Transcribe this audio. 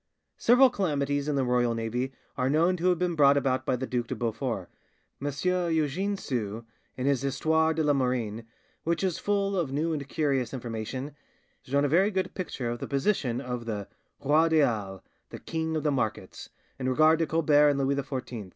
Several calamities in the royal navy are known to have been brought about by the Duc de Beaufort. M. Eugene Sue, in his 'Histoire de la Marine', which is full of new and curious information, has drawn a very good picture of the position of the "roi des halles," the "king of the markets," in regard to Colbert and Louis XIV.